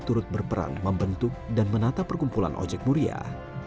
dia turut berperan membentuk dan menata perkumpulan ojek muriah